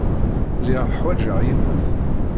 Lliɣ ḥwajeɣ yiwet.